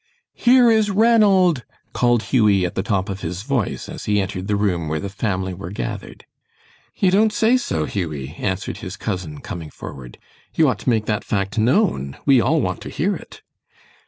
"Here is Ranald!" called Hughie at the top of his voice, as he entered the room where the family were gathered. "You don't say so, Hughie?" answered his cousin, coming forward. "You ought to make that fact known. We all want to hear it."